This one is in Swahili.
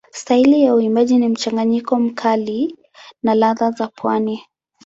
Staili ya uimbaji ni mchanganyiko mkali na ladha za pwani.